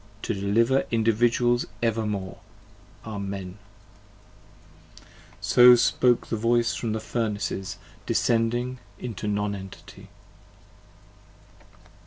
to deliver Individuals evermore ! Amen. 17 So spoke the voice from the Furnaces, descending into Non Entity.